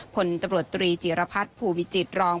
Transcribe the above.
พลตำรวจตรีจิรพัฒน์ภูวิจิตรอง